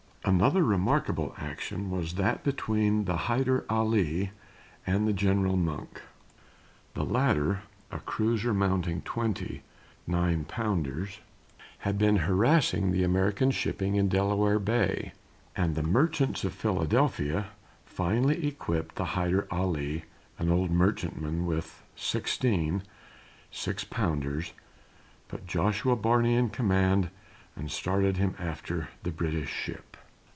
Another remarkable action was that between the Hyder Ali and the General Monk. The latter, a cruiser mounting twenty nine pounders, had been harassing the American shipping in Delaware Bay, and the merchants of Philadelphia finally equipped the Hyder Ali, an old merchantman, with sixteen six pounders, put Joshua Barney in command and started him after the British ship.